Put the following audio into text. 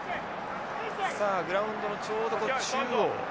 さあグラウンドのちょうど中央。